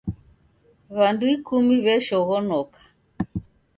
W'andu ikumi w'eshoghonoka.